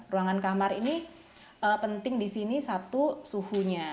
ruangan kamar ini penting di sini satu suhunya